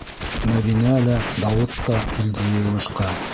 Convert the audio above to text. Мәҙинә лә, Дауыт та килде йыйылышҡа.